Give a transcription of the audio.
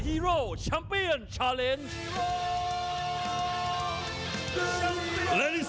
ฮีโร่ชัมเปียสชัลเลนส์